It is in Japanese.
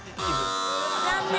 残念。